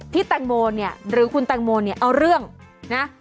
แตงโมเนี่ยหรือคุณแตงโมเนี่ยเอาเรื่องนะ